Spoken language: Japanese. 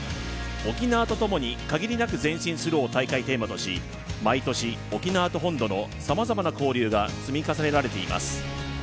沖縄とともに限りなく前進するを大会テーマとし、毎年沖縄と本土のさまざまな交流が積み重ねられています。